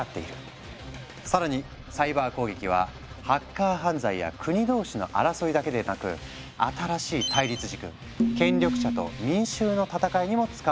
更にサイバー攻撃はハッカー犯罪や国同士の争いだけでなく新しい対立軸権力者と民衆の戦いにも使われるようになっていく。